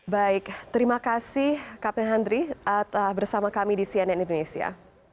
baik terima kasih kapten henry bersama kami di cnn indonesia